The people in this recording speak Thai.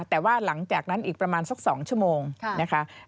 แต่ว่าหลังจากนั้นอีกประมาณสัก๒ชั่วโมงนะคะ